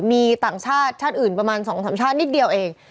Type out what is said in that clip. มีต่างชาติชาติอื่นประมาณ๒๓ชาตินิดเดียวเอง